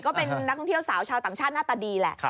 ก็เป็นนักท่องเที่ยวสาวชาวต่างชาติหน้าตาดีแหละ